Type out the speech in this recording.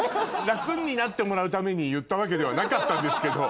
楽になってもらうために言ったわけではなかったんですけど。